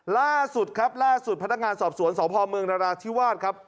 ล่าสุดครับล่าสุดพนักงานสอบสวนสพเมืองนราธิวาสครับ